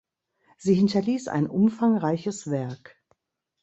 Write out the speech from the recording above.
Sie hinterließ ein umfangreiches Werk.